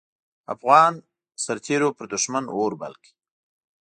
افغان سررتېرو پر دوښمن اور بل کړ.